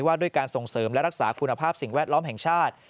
ด้วยการส่งเสริมและรักษาคุณภาพสิ่งแวดล้อมแห่งชาติ